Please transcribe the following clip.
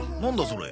それ。